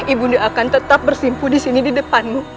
ibu nda akan tetap bersimpu disini di depanmu